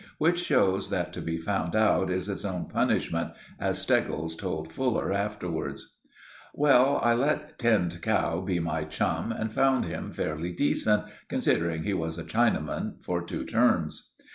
Which shows that to be found out is its own punishment, as Steggles told Fuller afterwards. Well, I let Tinned Cow be my chum, and found him fairly decent, considering he was a Chinaman, for two terms.